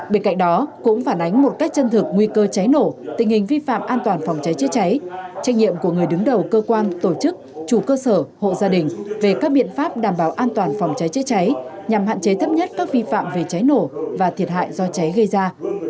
bên cạnh đó cũng phản ánh một cách chân thực nguy cơ trái nổ tình hình vi phạm an toàn phòng trái trễ trái trách nhiệm của người đứng đầu cơ quan tổ chức chủ cơ sở hộ gia đình về các biện pháp đảm bảo an toàn phòng trái trái trái nhằm hạn chế thấp nhất các vi phạm về trái nổ và thiệt hại do trái gây ra